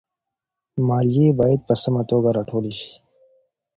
ماليې بايد په سمه توګه راټولي سي.